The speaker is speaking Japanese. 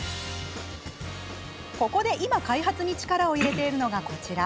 ここで今開発に力を入れているのがこちら。